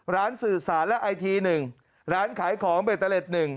ร้านสื่อสารและไอที๑ร้านขายของเบตเตอร์เล็ต๑